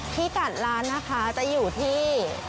พี่กัดร้านนะคะจะอยู่ที่